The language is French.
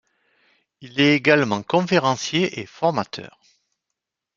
Il est également conférencier et formateur.